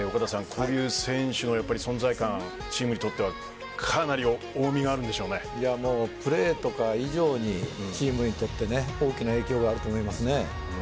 こういう選手の存在感チームにとってはプレーとか以上にチームにとって大きな影響があると思います。